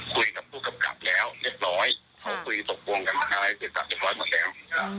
คุยกับผู้กำกับแล้วเรียบร้อยเขาคุยตกลงกันอะไรเกี่ยวกับเรียบร้อยหมดแล้ว